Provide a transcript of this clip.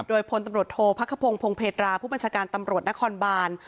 โดยพลตำรวจโทษพักขพงศ์พงเพตราผู้บัญชาการตำรวจนครบาน